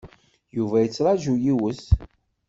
Yuba yettṛaju yiwet.